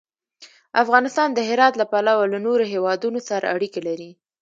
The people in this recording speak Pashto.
افغانستان د هرات له پلوه له نورو هېوادونو سره اړیکې لري.